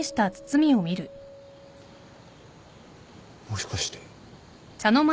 もしかして。